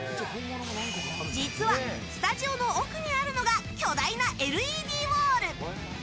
実は、スタジオの奥にあるのが巨大なＬＥＤウォール。